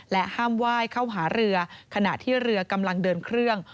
ห้ามไหว้เข้าหาเรือขณะที่เรือกำลังเดินเครื่อง